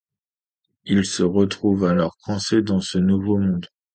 Ils se retrouvent alors coincés dans ce nouveau monde.